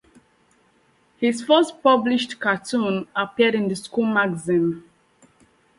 His first published cartoon appeared in the school magazine.